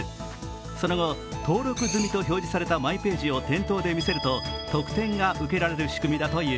その後、登録済みと表示されたマイページを店頭で見せると特典が受けられる仕組みだという。